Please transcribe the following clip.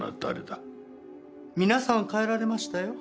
皆さん帰られましたよ。